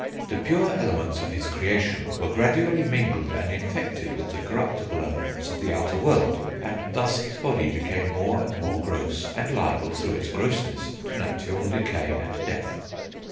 "The pure Elements of his creation were gradually mingled and infected with the corruptible elements of the outer world, and thus his body became more and more gross, and liable, through its grossness, to natural decay and death."